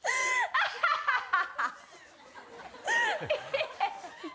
アハハハ！